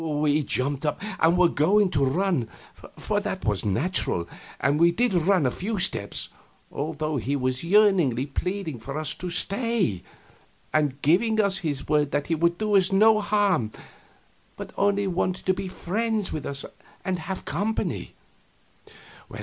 We jumped up and were going to run, for that was natural; and we did run a few steps, although he was yearningly pleading for us to stay, and giving us his word that he would not do us any harm, but only wanted to be friends with us and have company.